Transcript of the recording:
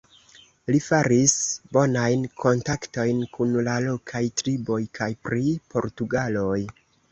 Li faris bonajn kontaktojn kun la lokaj triboj kaj pri portugaloj.